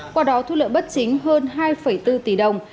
qua đó thu lợi bất chính hơn hai bốn tỷ đồng